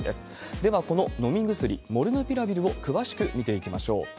では、この飲み薬、モルヌピラビルを詳しく見ていきましょう。